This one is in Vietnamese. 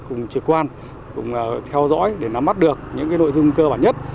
cùng trực quan cùng theo dõi để nắm mắt được những nội dung cơ bản nhất